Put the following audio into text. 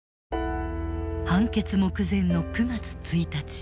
判決目前の９月１日。